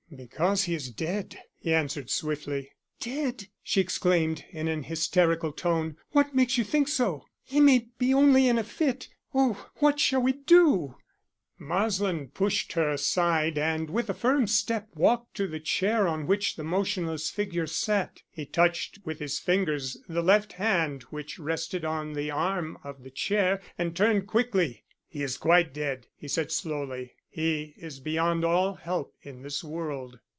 "Because he is dead," he answered swiftly. "Dead!" she exclaimed, in an hysterical tone. "What makes you think so? He may be only in a fit. Oh, what shall we do?" Marsland pushed her aside and with a firm step walked to the chair on which the motionless figure sat. He touched with his fingers the left hand which rested on the arm of the chair, and turned quickly. "He is quite dead," he said slowly. "He is beyond all help in this world."